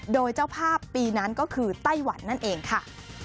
โดยเจ้าภาพปีนั้นก็คือไต้หวันนั่นเองค่ะ